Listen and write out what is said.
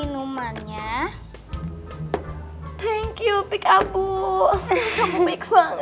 lo ketauanin kan